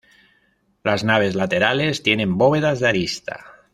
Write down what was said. Las naves laterales tienen bóvedas de arista.